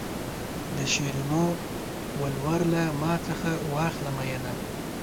د شیرینو ولور له ما څخه واخله مینه.